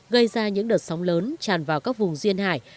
gây ra những đợt sóng lớn tràn vào các vùng duyên hải